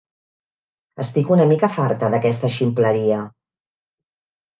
Estic una mica farta d'aquesta ximpleria.